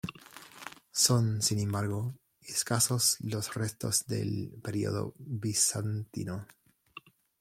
Son, sin embargo, escasos los restos del periodo bizantino.